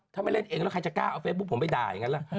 ถ้าไม่เล่นเองแล้วใครจะกล้าเอาเฟซบุ๊คผมไปด่าอย่างนั้นล่ะ